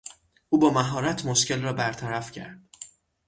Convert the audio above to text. او با مهارت مشکل را برطرف کرد.